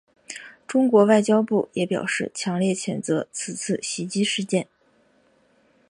中国外交部也表示强烈谴责此次袭击事件。